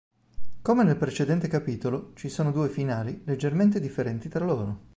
Come nel precedente capitolo, ci sono due finali leggermente differenti tra loro.